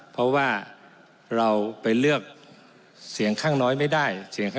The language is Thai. เพราะว่าเราไปเลือกเสียงข้างน้อยไม่ได้